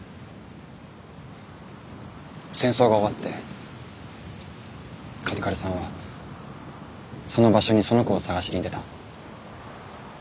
戦争が終わって嘉手刈さんはその場所にその子を捜しに出た。